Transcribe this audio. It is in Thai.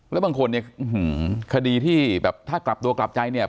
แล้วบางคนเนี่ยคดีที่แบบถ้ากลับตัวกลับใจเนี่ย